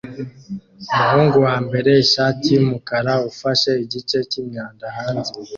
Umuhungu wambaye ishati yumukara ufashe igice cyimyanda hanze